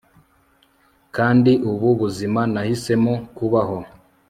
kandi ubu buzima nahisemo kubaho